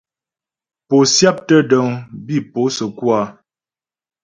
Pó syáptə́ dəŋ bi pó səkú a ?